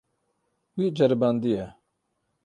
Wî ceribandiye.